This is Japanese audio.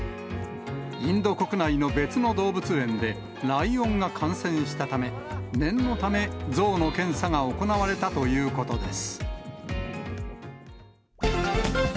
インド国内の別の動物園で、ライオンが感染したため、念のため、ゾウの検査が行われたということです。